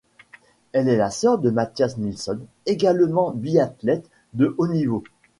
Elle est la sœur de Mattias Nilsson, également biathlète de haut niveau.